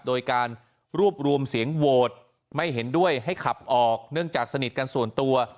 โดยการรวบรวมเสียงโหวตไม่เห็นด้วยให้ขับออกเนื่องจากสนิทกันส่วนตัว